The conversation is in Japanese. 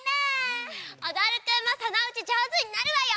おどるくんもそのうちじょうずになるわよ！